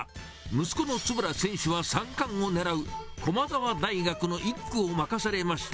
息子の円選手は、３冠をねらう駒澤大学の１区を任されました。